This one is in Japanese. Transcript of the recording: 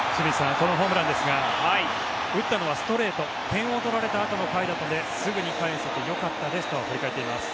このホームランですが打ったのはストレート点を取られたあとの回だったのですぐに返せてよかったですと振り返っています。